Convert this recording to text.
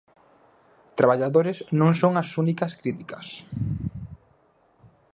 Traballadores Non son as únicas críticas.